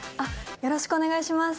よろしくお願いします！